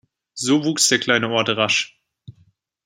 So wuchs der kleine Ort rasch.